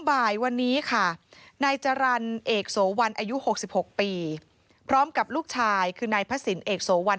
บ่ายวันนี้ค่ะนายจรรย์เอกโสวันอายุ๖๖ปีพร้อมกับลูกชายคือนายพระศิลปเอกโสวัน